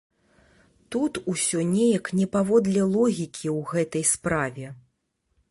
Тут усё неяк не паводле логікі ў гэтай справе.